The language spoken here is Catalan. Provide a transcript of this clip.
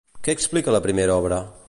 Què explica la primera obra?